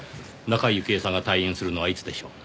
中井雪絵さんが退院するのはいつでしょう？